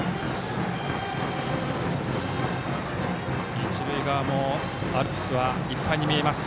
一塁側のアルプスもいっぱいに見えます。